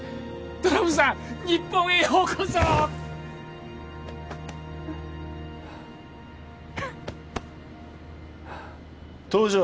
ドラムさん日本へようこそ東条